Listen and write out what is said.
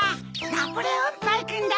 ナポレオンパイくんだ！